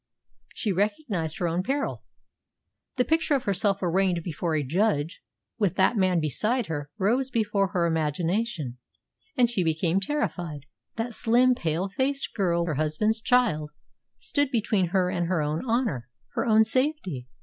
She recognised her own peril. The picture of herself arraigned before a judge, with that man beside her, rose before her imagination, and she became terrified. That slim, pale faced girl, her husband's child, stood between her and her own honour, her own safety.